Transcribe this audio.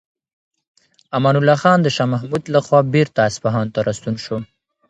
امان الله خان د شاه محمود لخوا بیرته اصفهان ته راستون شو.